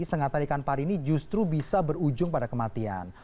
sengatan ikan pari ini justru bisa berujung pada kematian